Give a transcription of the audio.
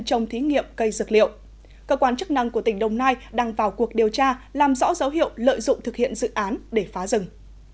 trong thí nghiệm cây dược liệu cơ quan chức năng của tỉnh đồng nai đang vào cuộc điều tra làm rõ dấu hiệu lợi dụng thực hiện dự án để phá rừng